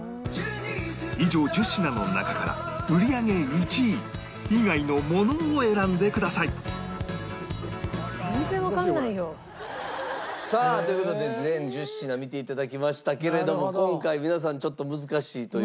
以上１０品の中から売り上げ１位以外のものを選んでくださいさあという事で全１０品見て頂きましたけれども今回皆さんちょっと難しいという声が。